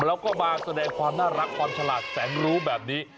แล้วก็มาแสดงความน่ารักความฉลาดแสนรู้แบบนี้